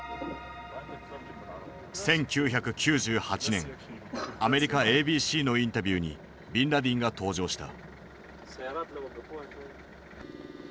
１９９８年アメリカＡＢＣのインタビューにビンラディンが登場した。